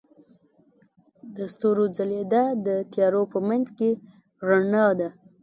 د ستورو ځلیدا د تیارو په منځ کې رڼا ده.